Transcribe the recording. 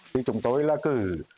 thì chúng tôi là cử